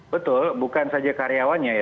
betul bukan saja karyawannya ya